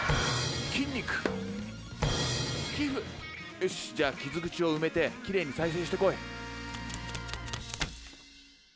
よしじゃあ傷口を埋めてきれいに再生してこい。